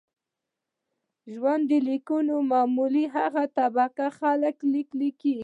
ژوند لیکونه معمولاً هغه طبقه خلک لیکي.